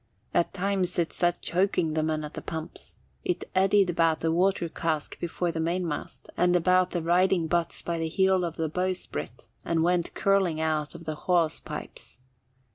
At times it set choking the men at the pumps; it eddied about the water cask before the mainmast and about the riding butts by the heel of the bowsprit, and went curling out of the hawse pipes.